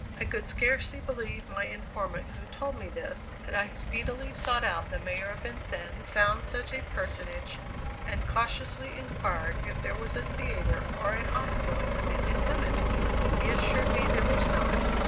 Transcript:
I could scarcely believe my informant who told me this, but I speedily sought out the Mayor of Vincennes, found such a personage, and cautiously inquired if there was a theatre or a hospital within his limits? He assured me there was not.